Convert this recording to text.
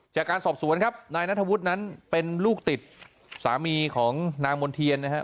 จากการสอบสวนครับนายนัทวุฒินั้นเป็นลูกติดสามีของนางมณ์เทียนนะครับ